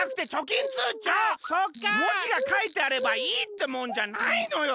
もじがかいてあればいいってもんじゃないのよ。